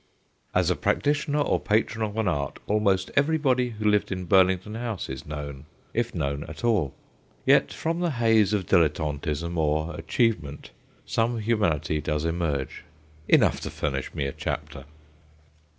As a practitioner or patron of an art almost everybody who lived in Bur lington House is known, if known at all. Yet from the haze of dilettantism or achieve ment some humanity does emerge, enough to furnish me a chapter.